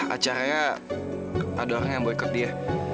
acaranya ada orang yang boykot dia